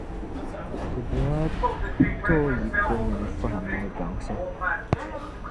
Ti Duuma ti o yiko mini fahim ni baŋsim.